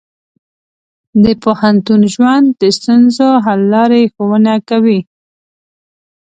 د پوهنتون ژوند د ستونزو حل لارې ښوونه کوي.